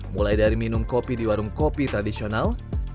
mulai dari minum kopi di warung kopi tradisional